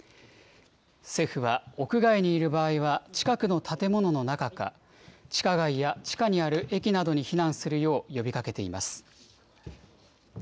政府は屋外にいる場合は、近くの建物の中か、地下街や地下にある駅などに避難するよう呼びかけています。